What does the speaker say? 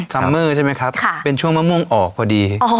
ซัมเมอร์ใช่ไหมครับเป็นช่วงมะม่วงออกพอดี